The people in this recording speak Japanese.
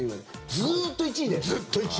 ずっと１位。